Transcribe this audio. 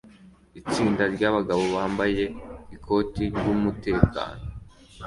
Itsinda ryabagabo bambaye ikoti ryumutekano